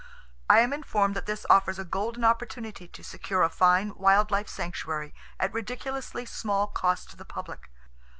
I am informed that this offers a golden opportunity to secure a fine wild life sanctuary at ridiculously small cost to the public.